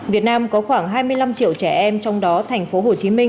việt nam có khoảng hai mươi năm triệu trẻ em trong đó thành phố hồ chí minh